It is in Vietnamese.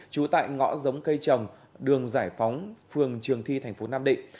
trú tại ngõ giống cây trồng đường giải phóng phường trường thi tp nam định